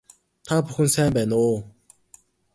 Та бүхэн сайн байна уу